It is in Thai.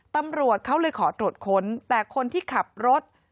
ตำรวจเขาเลยขอตรวจค้นแต่คนที่ขับรถ